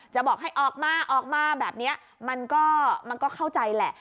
บอกให้ออกมาออกมาแบบนี้มันก็เข้าใจแหละ